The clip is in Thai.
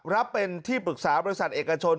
รับเป็นที่ปรึกษาบริษัทเอกชน